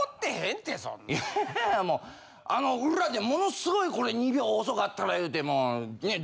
あの裏でものすごいこれ２秒遅かったら言うてもうねえ？